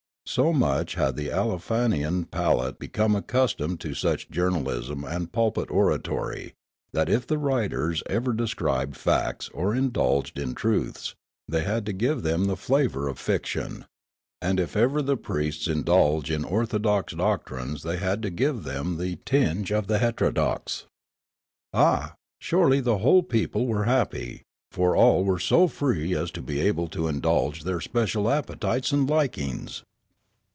So much had the Aleofauian palate become accustomed to such Freedom and Revolution 1 1 1 journalism and pulpit oratory that if the writers ever described facts or indulged in truths, they had to give them the flavour of fiction ; and if ever the priests in dulged in orthodox doctrines they had to give them the tinge of the heterodox. Ah, surely the whole people were happy, for all were so free as to be able to indulge their special appetites and likings